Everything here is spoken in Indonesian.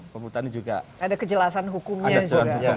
pemutani juga ada jelasan hukumnya juga